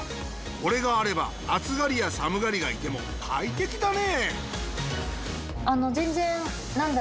これがあれば暑がりや寒がりがいても快適だね